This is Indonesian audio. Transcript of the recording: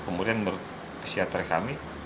kemudian menurut pesiatri kami